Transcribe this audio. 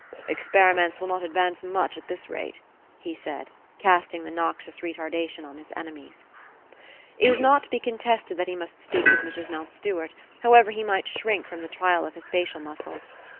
"Experiments will not advance much at this rate," he said, casting the noxious retardation on his enemies. It was not to be contested that he must speak with Mrs Mountstuart, however he might shrink from the trial of his facial muscles.